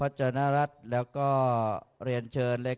รทพนรัฐและก็เรียนเชิญเลยค่ะ